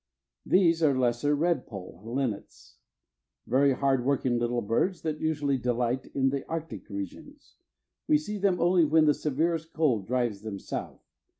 These are lesser redpoll linnets. Very hard working little birds, that usually delight in the arctic regions, we see them only when the severest cold drives them south.